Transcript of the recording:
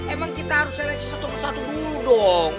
emang kita harus seleksi satu besar dulu dong